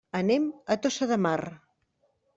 Anem a Tossa de Mar.